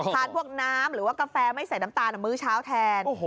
ทานพวกน้ำหรือว่ากาแฟไม่ใส่น้ำตาลมื้อเช้าแทน